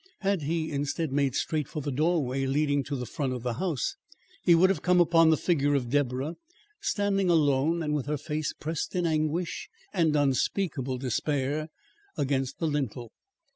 Had he, instead, made straight for the doorway leading to the front of the house, he would have come upon the figure of Deborah standing alone and with her face pressed in anguish and unspeakable despair against the lintel.